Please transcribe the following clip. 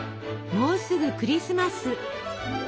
もうすぐクリスマス！